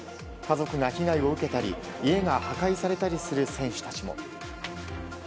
家族が被害を受けたり家が破壊されたりする選手たちも。